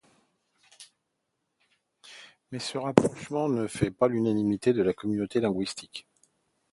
Mais ce rapprochement ne fait pas l'unanimité de la communauté linguistique.